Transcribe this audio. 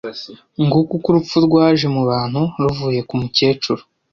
Nguko uko urupfu rwaje mu bantu ruvuye kumucyecuru